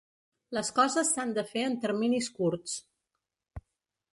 Les coses s’han de fer en terminis curts.